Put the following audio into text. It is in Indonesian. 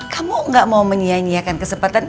kamu gak mau menyianyiakan kesempatan